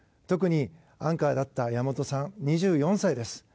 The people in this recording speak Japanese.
特にアンカーだった山本さん２４歳です。